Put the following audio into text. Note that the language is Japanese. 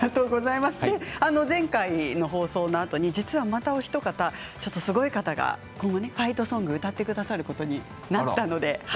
前回の放送のあと実はまた１人すごい方がファイトソングを歌ってくださることになりました。